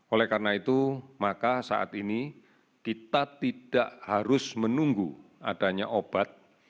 oleh karena itu maka saat ini kita tidak harus menunggu adanya obat